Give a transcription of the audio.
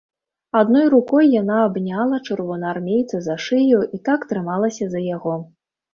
Адной рукой яна абняла чырвонаармейца за шыю і так трымалася за яго.